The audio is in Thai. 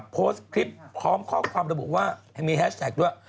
โพสต์คลิปพร้อมข้อความระบุว่ายังมีแฮชแท็กด้วย